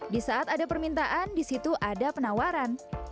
di saat ada permintaan di situ ada penawaran